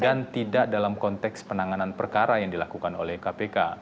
tidak dalam konteks penanganan perkara yang dilakukan oleh kpk